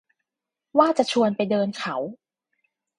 ว่าจะชวนไปเดินเขา